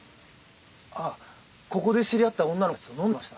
あっここで知り合った女の子たちと飲んでました。